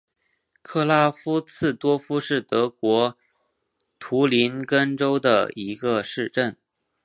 克拉夫茨多夫是德国图林根州的一个市镇。